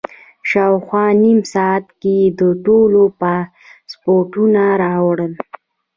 شاوخوا نیم ساعت کې یې د ټولو پاسپورټونه راوړل.